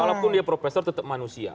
walaupun dia profesor tetap manusia